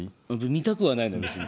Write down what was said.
見たくはないのよ別に。